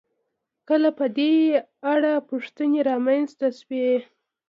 چې کله په دې اړه پوښتنې را منځته شوې.